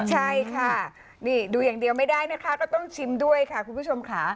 ใช่ค่ะนี่ดูอย่างเดียวไม่ได้นะคะก็ต้องชิมด้วยค่ะคุณผู้ชมค่ะ